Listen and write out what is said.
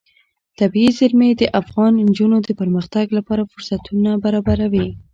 طبیعي زیرمې د افغان نجونو د پرمختګ لپاره فرصتونه برابروي.